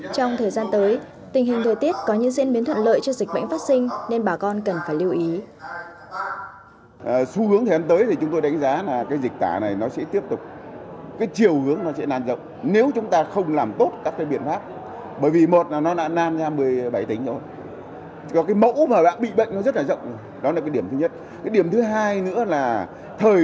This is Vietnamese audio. trong thời gian tới tình hình thời tiết có những diễn biến thuận lợi cho dịch bệnh phát sinh